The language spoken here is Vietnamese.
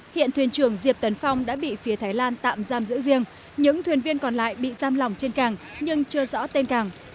hiện thuyền trưởng diệp tấn phong đã bị phía thái lan tạm giam giữ riêng những thuyền viên còn lại bị giam lỏng trên càng nhưng chưa rõ tên cảng